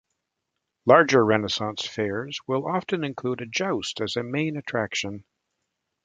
Larger Renaissance fairs will often include a joust as a main attraction.